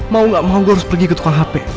mau gak mau gue harus pergi ke tukang handphone